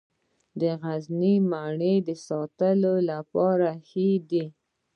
د غزني مڼې د ساتلو لپاره ښې دي.